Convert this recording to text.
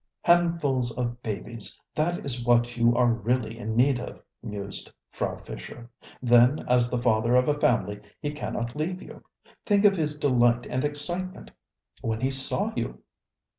ŌĆ£Handfuls of babies, that is what you are really in need of, ŌĆØ mused Frau Fischer. ŌĆ£Then, as the father of a family he cannot leave you. Think of his delight and excitement when he saw you!